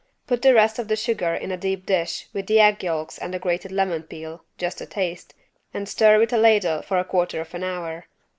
Put the rest of the sugar in a deep dish with the egg yolks and the grated lemon peel (just a taste) and stir with a ladle for a quarter of an hour.